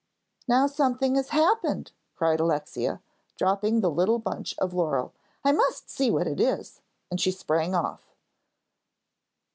"Now something has happened," cried Alexia, dropping the little bunch of laurel. "I must see what it is," and she sprang off.